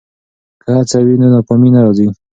که هڅه وي نو ناکامي نه راځي.